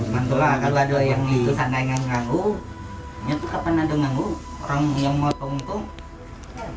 kalau ada yang di sana yang mengganggu itu kan ada yang mengganggu orang yang mau tunggu tunggu